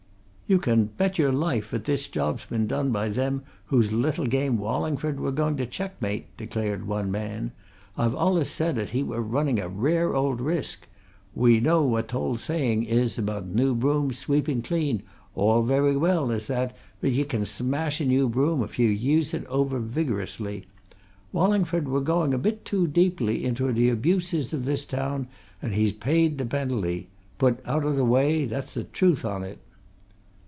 "You can bet your life 'at this job's been done by them whose little game Wallingford were going to checkmate!" declared one man. "I've allus said 'at he were running a rare old risk. We know what t' old saying is about new brooms sweeping clean all very well, is that, but ye can smash a new broom if ye use it over vigorously. Wallingford were going a bit too deeply into t' abuses o' this town an' he's paid t' penalty. Put out o' t' way that's t' truth on it!"